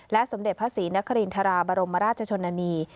สมเด็จพระศรีนครินทราบรมราชชนนานี